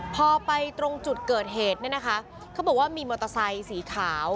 พอไปตรงจุดเกิดเหตุเนี่ยนะคะเขาบอกว่ามีมอเตอร์ไซค์สีขาว